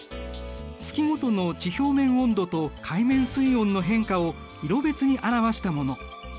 月ごとの地表面温度と海面水温の変化を色別に表したもの。